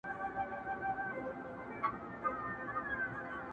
هم یې ماښام هم یې سهار ښکلی دی!!